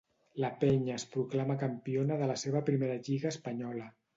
La Penya es proclama campiona de la seva primera lliga espanyola.